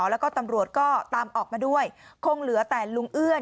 แล้วก็ตำรวจก็ตามออกมาด้วยคงเหลือแต่ลุงเอื้อน